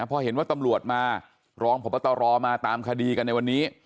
พอเห็นว่าตำรวจมารองพบตรมาตามคดีกันในวันนี้